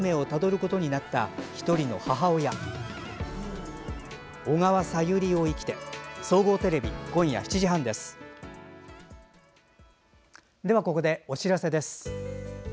ここでお知らせです。